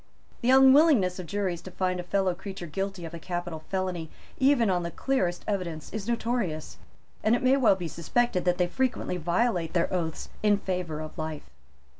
The unwillingness of juries to find a fellow creature guilty of a capital felony even on the clearest evidence is notorious; and it may well be suspected that they frequently violate their oaths in favour of life.